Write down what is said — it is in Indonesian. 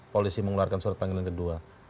polisi mengeluarkan surat panggilan kedua